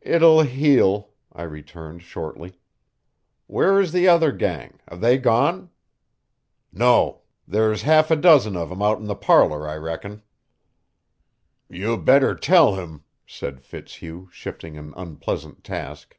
"It'll heal," I returned shortly. "Where is the other gang? Are they gone?" "No; there's half a dozen of 'em out in the parlor, I reckon." "You'd better tell him," said Fitzhugh, shifting an unpleasant task.